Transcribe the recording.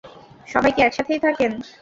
সবাই কি একসাথেই থাকেন?